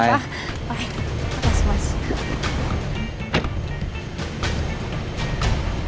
oke terima kasih pak